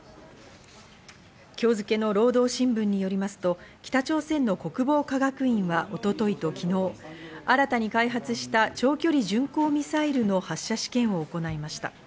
今日付けの労働新聞によりますと、北朝鮮の国防科学院は一昨日と昨日、新たに開発した長距離巡航ミサイルの発射試験を行いました。